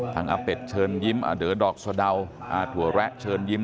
ทางอเบ็ดเชิญยิ้มอเด๋อดอกสวดาวอาถัวแระเชิญยิ้ม